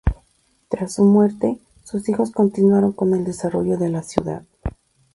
Tras su muerte, sus hijos continuaron con el desarrollo de la ciudad.